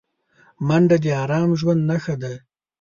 منډه د ارام ژوند نښه ده